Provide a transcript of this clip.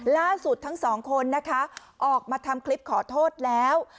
ล่าสุดทั้งสองคนนะคะออกมาทำคลิปขอโทษแล้ว